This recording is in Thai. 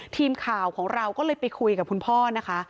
ทีมข่าวของเราก็เลยไปคุยกับคุณพ่อนะคะ